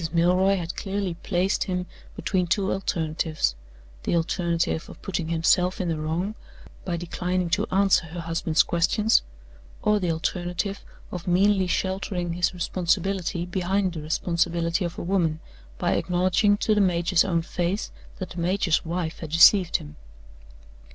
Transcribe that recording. Milroy had clearly placed him between two alternatives the alternative of putting himself in the wrong, by declining to answer her husband's questions; or the alternative of meanly sheltering his responsibility behind the responsibility of a woman, by acknowledging to the major's own face that the major's wife had deceived him.